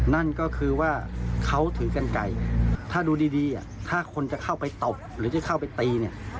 นั่นก็คือว่าเขาถือกันไกลถ้าดูดีถ้าคนจะเข้าไปตบหรือจะเข้าไปตีเนี่ย